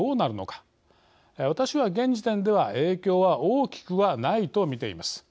私は現時点では影響は大きくはないと見ています。